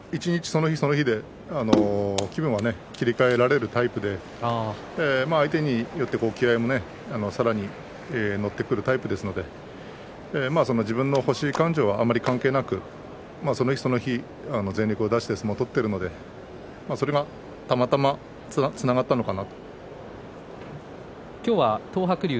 その日で気分が切り替えられるタイプで相手によってさらに乗ってくるタイプですから自分の星勘定はあまり関係なくその日、その日、全力を出して相撲を取っているのでそれがたまたまつながったのかなと思います。